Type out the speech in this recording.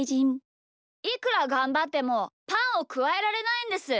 いくらがんばってもパンをくわえられないんです！